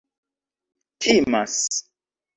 timas